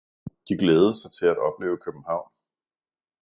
De glædede sig til at opleve København